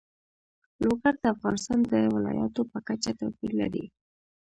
لوگر د افغانستان د ولایاتو په کچه توپیر لري.